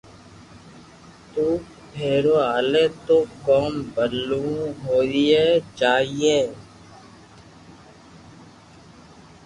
تو ڀيرو ھالي تو ڪوم ڀلو ھوئيي جائي